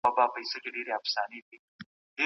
که د پانګي تولید لوړ سي خلګ به شتمن سي.